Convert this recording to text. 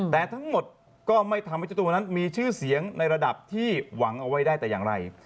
แต่ทั้งหมดก็ไม่ทำให้เจ้าตัวนั้นมีชื่อเสียงในระดับที่หวังเอาไว้ได้แต่อย่างไร